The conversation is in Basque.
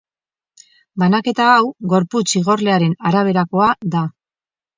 Banaketa hau, gorputz igorlearen araberakoa da.